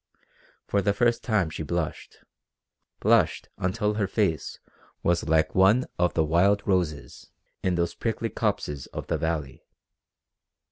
For the first time she blushed blushed until her face was like one of the wild roses in those prickly copses of the valley.